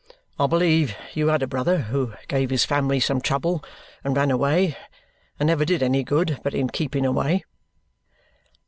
I believe you had a brother who gave his family some trouble, and ran away, and never did any good but in keeping away?"